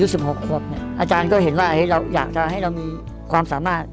ตอนที่ผมอายุ๑๖ครอบอาจารย์ก็เห็นว่ายากทำให้เรามีความสามารถ